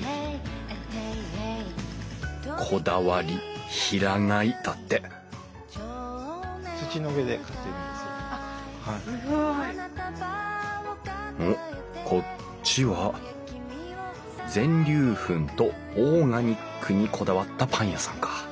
「こだわり平飼い」だっておっこっちは全粒粉とオーガニックにこだわったパン屋さんか。